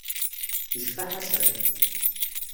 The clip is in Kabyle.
Yecfa Ḥasan.